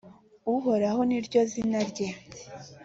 uhoraho ni ryo zina rye.